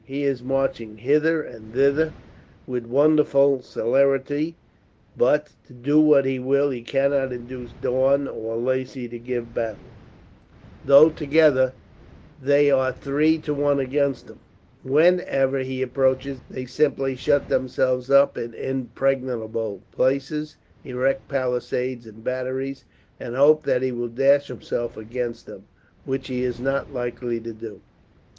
He is marching hither and thither with wonderful celerity but, do what he will, he cannot induce either Daun or Lacy to give battle; though together they are three to one against him. Whenever he approaches they simply shut themselves up in impregnable places, erect palisades and batteries, and hope that he will dash himself against them; which he is not likely to do."